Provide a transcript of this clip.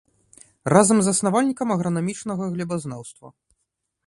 Разам з заснавальнік агранамічнага глебазнаўства.